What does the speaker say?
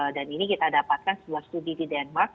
dan ini kita dapatkan sebuah studi di denmark